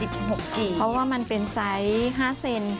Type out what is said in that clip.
เพราะว่ามันเป็นไซส์๕เซน